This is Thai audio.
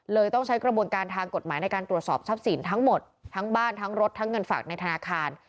ต้องใช้กระบวนการทางกฎหมายในการตรวจสอบทรัพย์สินทั้งหมดทั้งบ้านทั้งรถทั้งเงินฝากในธนาคาร